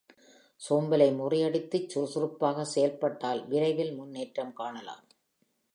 சோம்பலை முறியடித்துச் சுறுசுறுப்பாகச் செயல் பட்டால் விரைவில் முன்னேற்றம் காணலாம்.